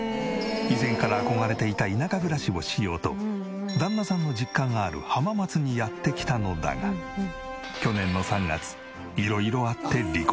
以前から憧れていた田舎暮らしをしようと旦那さんの実家がある浜松にやって来たのだが去年の３月色々あって離婚。